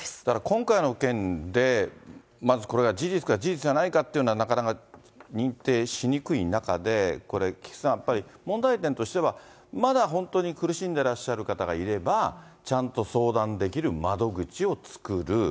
今回の件で、まずこれが事実か事実じゃないかっていうのはなかなか認定しにくい中で、これ、菊池さん、やっぱり問題点としては、まだ本当に苦しんでいらっしゃる方がいれば、ちゃんと相談できる窓口を作る。